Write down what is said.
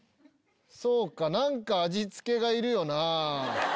そうか何か味付けがいるよな。